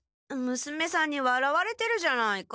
娘さんにわらわれてるじゃないか。